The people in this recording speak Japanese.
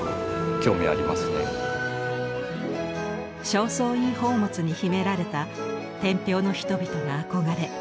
正倉院宝物に秘められた天平の人々が憧れ夢みた世界。